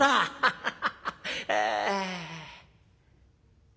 ハハハハ。